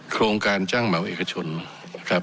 โครงการจ้างเหมาเอกชนนะครับ